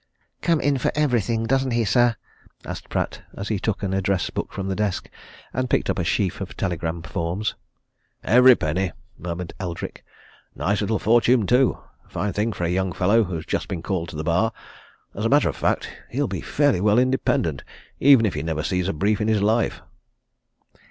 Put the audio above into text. "Come in for everything, doesn't he, sir?" asked Pratt, as he took an address book from the desk, and picked up a sheaf of telegram forms. "Every penny!" murmured Eldrick. "Nice little fortune, too a fine thing for a young fellow who's just been called to the Bar. As a matter of fact, he'll be fairly well independent, even if he never sees a brief in his life."